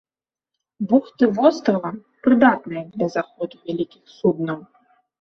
Бухты вострава прыдатныя для заходу вялікіх суднаў.